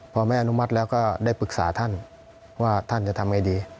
พอไม่อนุมัติแล้วก็ได้ปรึกษาท่านว่าท่านจะทำไงดี